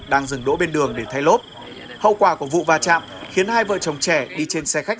đang dừng đỗ bên đường để thay lốp hậu quả của vụ va chạm khiến hai vợ chồng trẻ đi trên xe khách